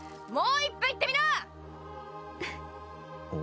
もういっぺん言ってみな！